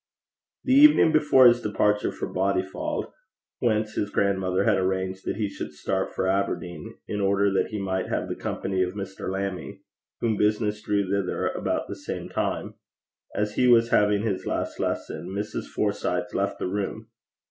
The evening before his departure for Bodyfauld whence his grandmother had arranged that he should start for Aberdeen, in order that he might have the company of Mr. Lammie, whom business drew thither about the same time as he was having his last lesson, Mrs. Forsyth left the room.